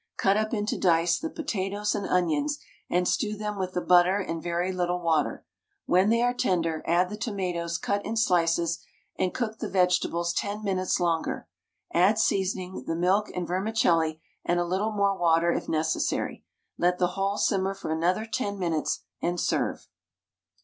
Cut up into dice the potatoes and onions, and stew them with the butter and very little water; when they are tender, add the tomatoes cut in slices, and cook the vegetables 10 minutes longer. Add seasoning, the milk and vermicelli, and a little more water if necessary; let the whole simmer for another 10 minutes, and serve.